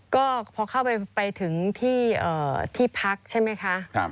ก็พอเข้าไปถึงที่พักใช่ไหมคะ